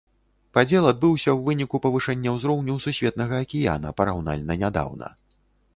Падзел адбыўся ў выніку павышэння ўзроўню сусветнага акіяна параўнальна нядаўна.